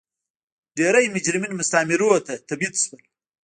ډېری مجرمین مستعمرو ته تبعید شول.